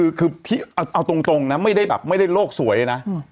เอาตรงไม่ได้โรคสวยนะ